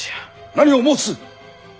何を申す！